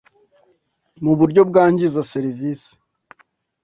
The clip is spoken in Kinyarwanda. mu buryo bwangiza serivisi.